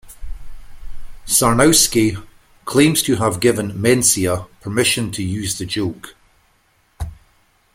Sarnowski claims to have given Mencia permission to use the joke.